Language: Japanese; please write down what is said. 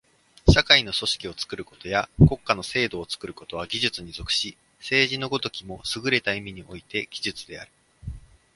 社会の組織を作ることや国家の制度を作ることは技術に属し、政治の如きもすぐれた意味において技術である。